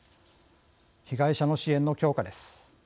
被害者の支援の強化です。